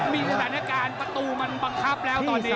มีสถานการณ์ประตูมันบังคับแล้วตอนนี้